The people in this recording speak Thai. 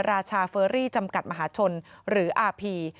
ราชาเฟอรี่จำกัดมหาชนหรืออาพี